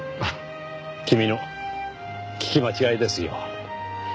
君の聞き間違いですよ。